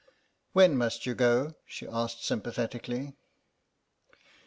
"When must you go?" she asked, sympathetically.